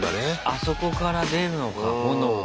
あそこから出るのか炎が。